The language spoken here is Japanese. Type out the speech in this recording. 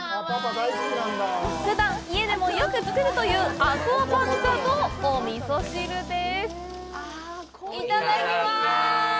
普段、家でもよく作るというアクアパッツァとお味噌汁です！